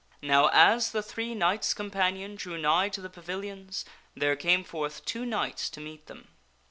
Now, as the three knights companion drew nigh to the pavilions, there came forth two knights to meet them.